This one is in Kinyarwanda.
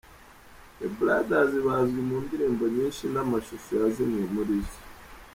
The Brothers bazwi mu ndirimbo nyinshi n’amashusho ya zimwe muri zo.